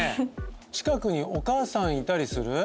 近くにお母さんいたりする？